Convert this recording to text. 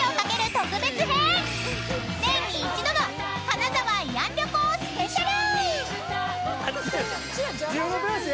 特別編年に一度の金沢慰安旅行スペシャル。